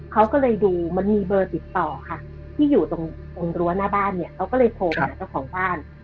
เขาก็เลยดูมันมีเบอร์ติดต่อค่ะที่อยู่ตรงรั้วหน้าบ้านเนี่ยเขาก็เลยโทรไปหาเจ้าของบ้าน